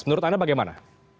menurut anda bagaimana